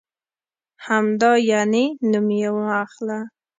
همدا یعنې؟ نوم یې مه اخله.